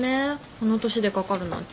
あの年でかかるなんて。